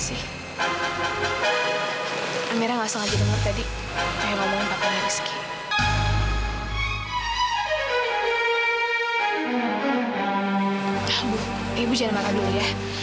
nah bu ibu jangan marah dulu ya